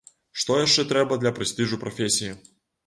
Што яшчэ трэба для прэстыжу прафесіі.